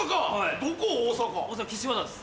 大阪岸和田です。